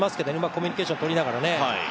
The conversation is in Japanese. コミュニケーションとりながらね。